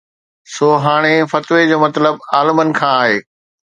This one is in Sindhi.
سو هاڻي فتويٰ جو مطلب عالمن کان آهي